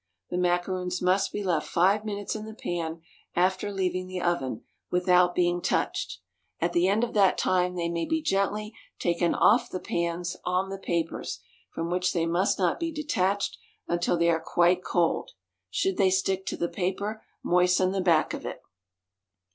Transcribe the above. The macaroons must be left five minutes in the pan after leaving the oven without being touched. At the end of that time they may be gently taken off the pans on the papers, from which they must not be detached until they are quite cold. Should they stick to the paper, moisten the back of it.